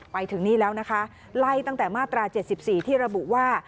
ไปถึงนี่แล้วนะคะไล่ตั้งแต่มาตรา๗๔ที่ระบุว่า